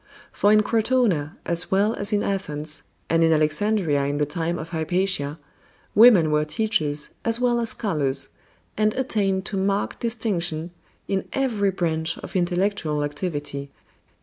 For in Crotona, as well as in Athens, and in Alexandria in the time of Hypatia, women were teachers as well as scholars, and attained to marked distinction in every branch of intellectual activity.